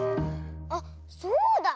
あっそうだ。